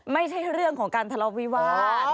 ไม่ใช่เรื่องของการทะเลาะวิวาส